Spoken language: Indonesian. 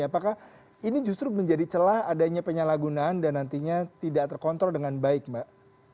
apakah ini justru menjadi celah adanya penyalahgunaan dan nantinya tidak terkontrol dengan baik mbak